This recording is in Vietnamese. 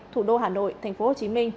thủ đô hà nội tp hcm